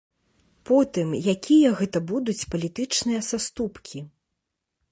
Потым, якія гэта будуць палітычныя саступкі?